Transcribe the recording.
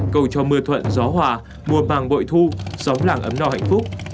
cầu cho mưa thuận gió hòa mùa màng bội thu gió lạng ấm no hạnh phúc